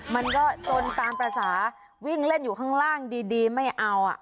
มันก็จนตามภาษาวิ่งเล่นอยู่ข้างล่างดีไม่เอา